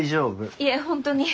いえ本当に。